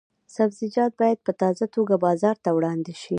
سبزیجات باید په تازه توګه بازار ته وړاندې شي.